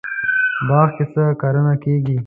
باغ کې څه کرنه کیږي؟